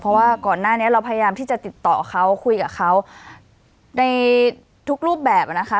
เพราะว่าก่อนหน้านี้เราพยายามที่จะติดต่อเขาคุยกับเขาในทุกรูปแบบนะคะ